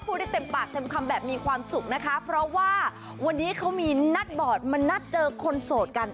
ได้เต็มปากเต็มคำแบบมีความสุขนะคะเพราะว่าวันนี้เขามีนัดบอร์ดมานัดเจอคนโสดกัน